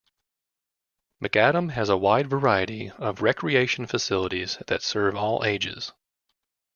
McAdam has a wide variety of recreation facilities that serve all ages.